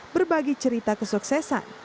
berbagi cerita kesuksesan